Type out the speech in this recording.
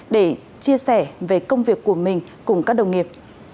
để chia sẻ về công việc của mình cùng các đồng nghiệp